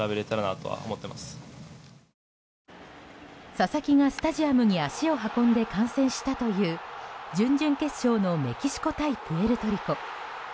佐々木がスタジアムに足を運んで観戦したという準々決勝のメキシコ対プエルトリコ。